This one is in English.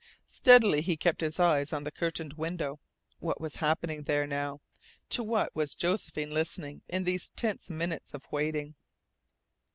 Steadily he kept his eyes on the curtained window. What was happening there now? To what was Josephine listening in these tense minutes of waiting?